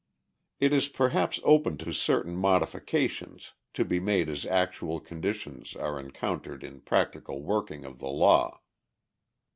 It is perhaps open to certain modifications, to be made as actual conditions are encountered in practical working of the law.